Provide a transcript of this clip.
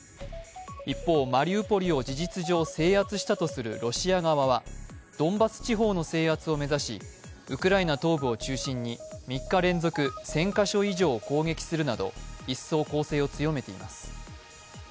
一方、マリウポリを事実上、制圧したとするロシア側はドンバス地方の制圧を目指しウクライナ東部を中心に３日連続１０００カ所以上を攻撃するなど一層、攻勢を強めています。